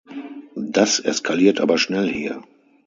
Das eskaliert aber schnell hier.